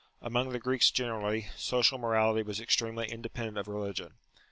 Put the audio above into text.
Among the Greeks generally, social morality was extremely independent of religion.